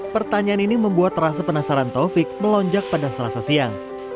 pertanyaan ini membuat rasa penasaran taufik melonjak pada selasa siang